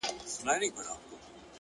هره ستونزه د حل وړ ده!